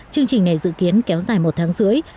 chương trình này dự kiến kéo dài một tháng rưỡi